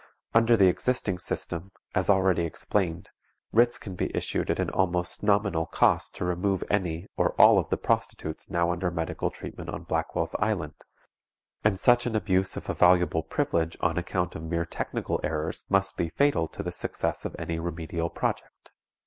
Under the existing system, as already explained, writs can be issued at an almost nominal cost to remove any, or all of the prostitutes now under medical treatment on Blackwell's Island; and such an abuse of a valuable privilege on account of mere technical errors must be fatal to the success of any remedial project.